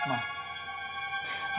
percaya sama omongan erkal